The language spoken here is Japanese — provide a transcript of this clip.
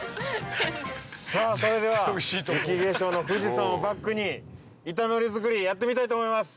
さぁそれでは雪化粧の富士山をバックに板のり作りやってみたいと思います！